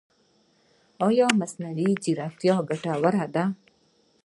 ایا مصنوعي ځیرکتیا ګټوره ده؟